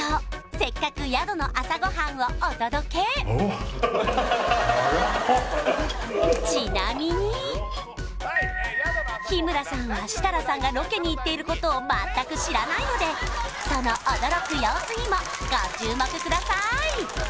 せっかく宿の朝ごはんをお届けやらかっ日村さんは設楽さんがロケに行っていることを全く知らないのでその驚く様子にもご注目ください！